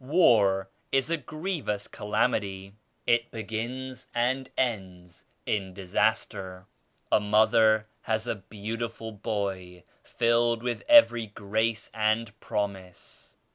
War is a grievous calamity. It begins and ends in disaster. A mother has a beautiful boy filled with every grace and promise.